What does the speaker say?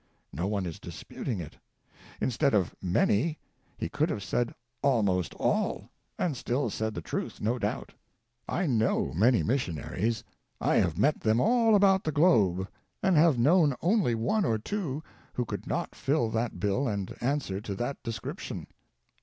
No one is disputing it. Instead of "many," he could have said "almost all," and still said the truth, no doubt. I know many missionaries; I have met them all about the globe, and have known only one or two who could not fill that bill and answer to that description.